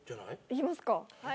行きますか。